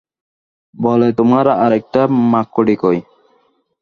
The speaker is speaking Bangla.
বলে, তোমার আর একটা মাকড়ি কই?